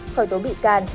khởi tố bị can